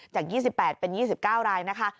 จาก๒๘เป็น๒๙รายนะคะ